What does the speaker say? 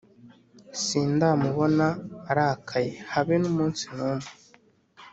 Sindamubona arakaye habe n’umunsi numwe.